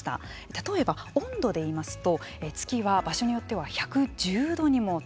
例えば温度でいいますと月は場所によっては１１０度にも達するんです。